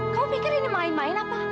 kau pikir ini main main apa